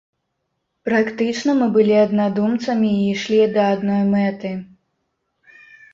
Практычна мы былі аднадумцамі і ішлі да адной мэты.